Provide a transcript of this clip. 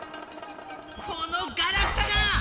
このガラクタが！